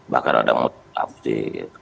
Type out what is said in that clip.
bahkan ada utafsir